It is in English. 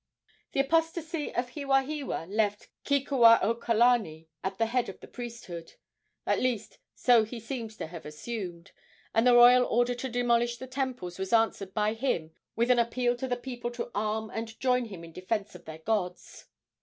The apostasy of Hewahewa left Kekuaokalani at the head of the priesthood at least so he seems to have assumed and the royal order to demolish the temples was answered by him with an appeal to the people to arm and join him in defence of their gods.